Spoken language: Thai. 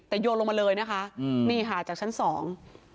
แต่โยนลงมาเลยนะคะอืมนี่ค่ะจากชั้นสอง